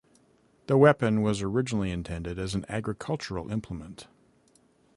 The weapon was originally intended as an agricultural implement.